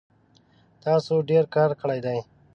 تاسو ډیر کار کړی دی